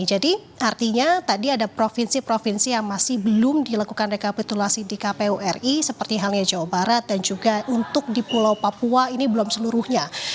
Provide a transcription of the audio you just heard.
jadi artinya tadi ada provinsi provinsi yang masih belum dilakukan rekapitulasi di kpu ri seperti halnya jawa barat dan juga untuk di pulau papua ini belum seluruhnya